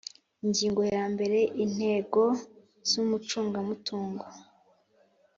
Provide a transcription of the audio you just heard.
Ingingo ya mbere Intego z umucungamutungo